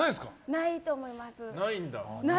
ないと思います。